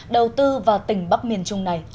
đầu tư vào tỉnh bắc miền trung này